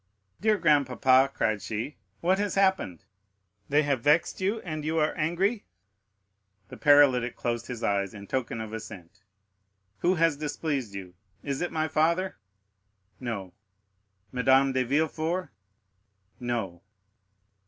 "Dear grandpapa," cried she, "what has happened? They have vexed you, and you are angry?" The paralytic closed his eyes in token of assent. "Who has displeased you? Is it my father?" "No." "Madame de Villefort?" "No."